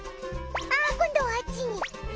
「あぁ今度はあっちに」